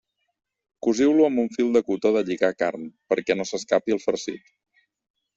Cosiu-lo amb un fil de cotó de lligar carn, perquè no s'escapi el farcit.